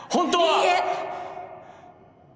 いいえ！